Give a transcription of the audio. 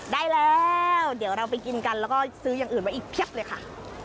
ได้แล้วเดี๋ยวเราไปกินกันแล้วก็ซื้ออย่างอื่นไว้อีกเพียบเลยค่ะ